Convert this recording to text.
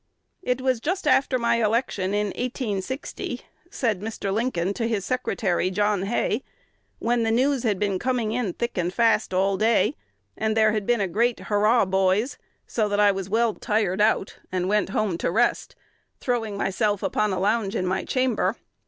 "It was just after my election in 1860," said Mr. Lincoln to his secretary, John Hay, "when the news had been coming in thick and fast all day, and there had been a great 'hurrah boys!' so that I was well tired out, and went home to rest, throwing myself upon a lounge in my chamber.